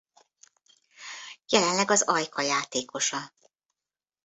Jelenleg az Ajka játékosa.